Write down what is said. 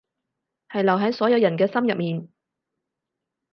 係留喺所有人嘅心入面